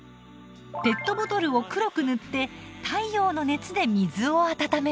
ペットボトルを黒く塗って太陽の熱で水を温めます。